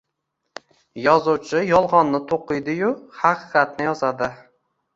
Yozuvchi yolg`onni to`qiydi-yu, haqiqatni yozadi